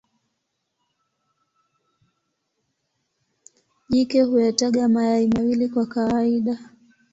Jike huyataga mayai mawili kwa kawaida.